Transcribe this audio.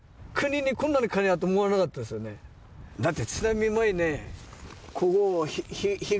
だって。